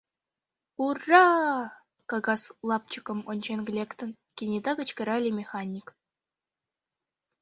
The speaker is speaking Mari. — Ура-а! — кагаз лапчыкым ончен лектын, кенета кычкырале механик.